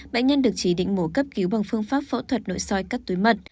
bệnh nhân được chỉ định mổ cấp cứu bằng phương pháp phẫu thuật nội soi cắt túi mật